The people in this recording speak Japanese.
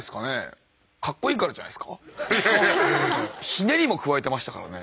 ひねりも加えてましたからね。